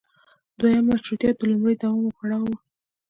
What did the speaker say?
دویم مشروطیت د لومړي دوام او پړاو و.